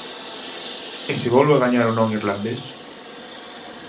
E se volve a gañar o non irlandés?